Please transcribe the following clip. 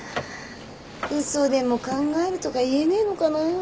嘘でも「考える」とか言えねえのかな？